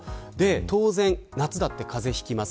当然、夏だって風邪はひきます。